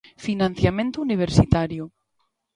Financiamento universitario.